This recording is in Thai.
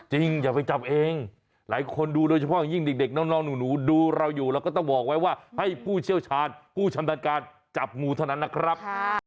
อย่าไปจับเองหลายคนดูโดยเฉพาะอย่างยิ่งเด็กน้องหนูดูเราอยู่เราก็ต้องบอกไว้ว่าให้ผู้เชี่ยวชาญผู้ชำนาญการจับงูเท่านั้นนะครับ